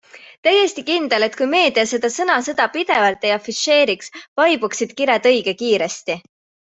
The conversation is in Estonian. Täiesti kindel, et kui meedia seda sõnasõda pidevalt ei afišeeriks, vaibuksid kired õige kiiresti.